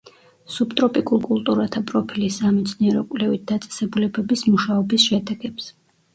სუბტროპიკულ კულტურათა პროფილის სამეცნიერო-კვლევით დაწესებულებების მუშაობის შედეგებს.